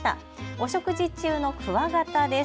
お食事中のクワガタです。